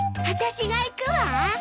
あたしが行くわ。